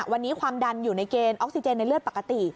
วันนี้ความดันอยู่ในเกณฑ์ออกซิเจนในเลือดปกติ